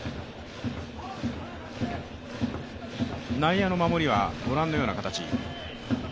内野の守りは御覧のような形。